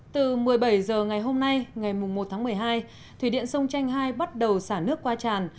từ một mươi bảy h ngày hôm nay ngày một tháng một mươi hai thủy điện sông chanh hai bắt đầu xả nước qua tràn